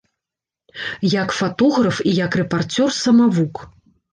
Як фатограф і як рэпарцёр самавук.